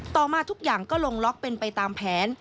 ต่อมาทุกอย่างก็ลงล็อกเป็นไปตามแผน